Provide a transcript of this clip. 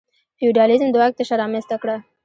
فیوډالېزم د واک تشه رامنځته کړه.